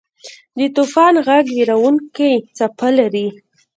د طوفان ږغ وېرونکې څپه لري.